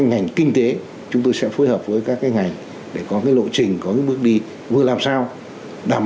ngành kinh tế chúng tôi sẽ phối hợp với các ngành để có cái lộ trình có những bước đi vừa làm sao đảm